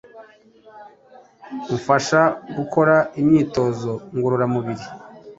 umfasha gukora imyitozo ngororamubiri